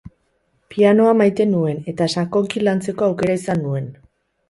Pianoa maite nuen eta sakonki lantzeko aukera izan nuen.